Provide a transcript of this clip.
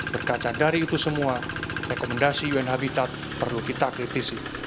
berkaca dari itu semua rekomendasi un habitat perlu kita kritisi